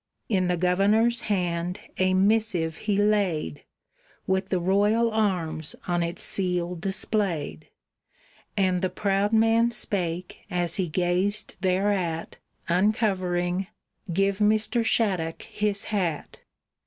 In the Governor's hand a missive he laid With the royal arms on its seal displayed, And the proud man spake as he gazed thereat, Uncovering, "Give Mr. Shattuck his hat."